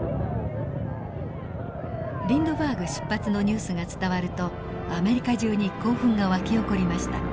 リンドバーグ出発のニュースが伝わるとアメリカ中に興奮が沸き起こりました。